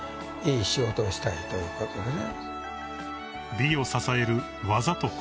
［美を支える技と心］